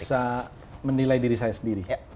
saya tidak bisa menilai diri saya sendiri